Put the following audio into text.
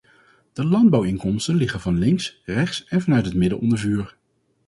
De landbouwinkomsten liggen van links, rechts en vanuit het midden onder vuur.